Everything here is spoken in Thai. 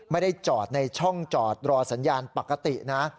ไม่ได้จอดในช่องจอดรอสัญญาณปกตินะ